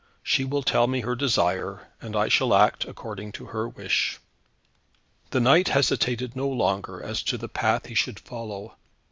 She will tell me her desire, and I shall act according to her wish." The knight hesitated no longer as to the path he should follow.